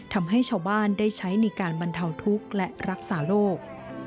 ทำให้ชาวบ้านได้ใช้ในการบรรเทาทุกข์และรักษาโรค